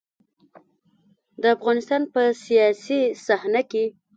د افغانستان په سياسي صحنه کې.